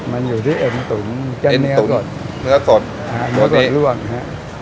มันอยู่ที่เอ็นตุ๋นเอ็นตุ๋นเนื้อสดเนื้อสดอ่าเนื้อสดร่วงครับ